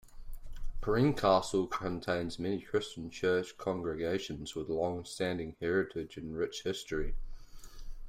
Greencastle contains many Christian church congregations with longstanding heritage and rich history.